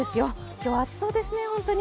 今日、暑そうですね、ホントに。